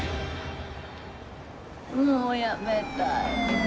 もう辞めたい。